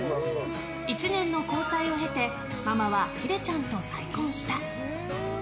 １年の交際を経てママは、ひでちゃんと再婚した。